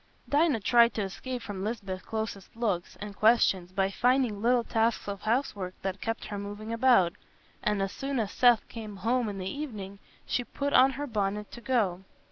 Dinah tried to escape from Lisbeth's closest looks and questions by finding little tasks of housework that kept her moving about, and as soon as Seth came home in the evening she put on her bonnet to go.